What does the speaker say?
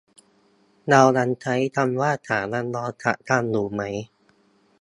เรายังใช้คำว่าฐานันดรศักดิ์กันอยู่ไหม